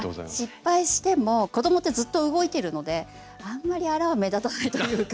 失敗しても子どもってずっと動いてるのであんまりあらは目立たないというか。